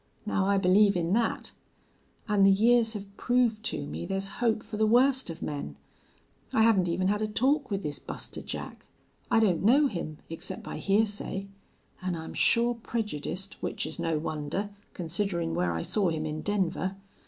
Now I believe in that. An' the years have proved to me there's hope for the worst of men.... I haven't even had a talk with this Buster Jack. I don't know him, except by hearsay. An' I'm sure prejudiced, which's no wonder, considerin' where I saw him in Denver....